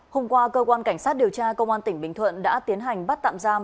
hôm qua cơ quan cảnh sát điều tra công an tỉnh bình thuận đã tiến hành bắt tạm giam